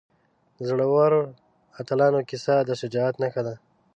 د زړورو اتلانو کیسه د شجاعت نښه ده.